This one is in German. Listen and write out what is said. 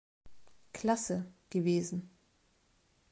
Klasse, gewesen.